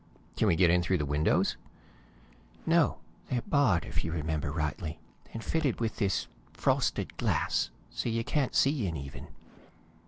"Can we get in through the windows?" "No. They're barred, if you remember rightly, and fitted with this frosted glass, so you can't see in, even."